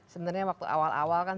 sebenarnya waktu awal awal kan